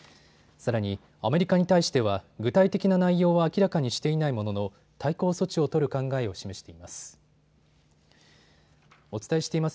さらにアメリカに対しては具体的な内容は明らかにしていないものの対抗措置を取る考えを示しています。